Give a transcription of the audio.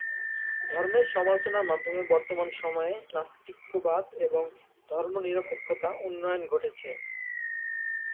ধর্মের সমালোচনার মাধ্যমে বর্তমান সময়ে নাস্তিক্যবাদ এবং ধর্মনিরপেক্ষতা উন্নয়ন ঘটেছে।